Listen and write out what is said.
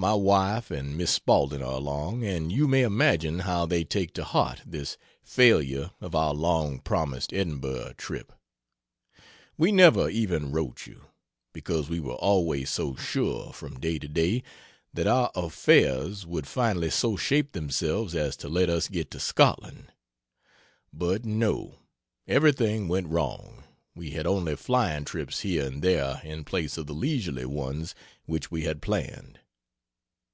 My wife and Miss Spaulding are along, and you may imagine how they take to heart this failure of our long promised Edinburgh trip. We never even wrote you, because we were always so sure, from day to day, that our affairs would finally so shape themselves as to let us get to Scotland. But no, everything went wrong we had only flying trips here and there in place of the leisurely ones which we had planned.